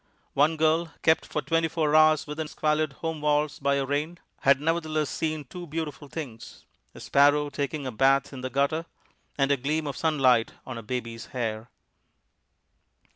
One girl, kept for twenty four hours within squalid home walls by a rain, had nevertheless seen two beautiful things a sparrow taking a bath in the gutter, and a gleam of sunlight on a baby's hair.